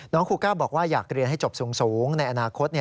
ครูก้าบอกว่าอยากเรียนให้จบสูงในอนาคต